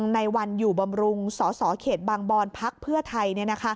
นายวันอยู่บำรุงสเขตบางบอลพไทย